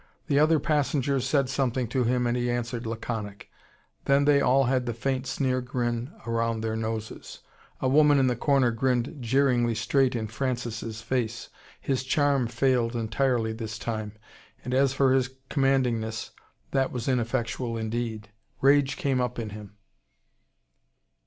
The other passengers said something to him, and he answered laconic. Then they all had the faint sneer grin round their noses. A woman in the corner grinned jeeringly straight in Francis' face. His charm failed entirely this time: and as for his commandingness, that was ineffectual indeed. Rage came up in him.